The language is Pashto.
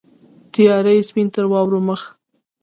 تیاره یې سپین تر واورو مخ